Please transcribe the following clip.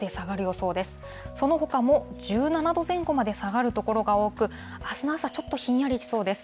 そのほかも１７度前後まで下がる所が多く、あすの朝、ちょっとひんやりしそうです。